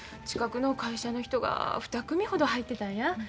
近くの会社の人が２組ほど入ってたんや。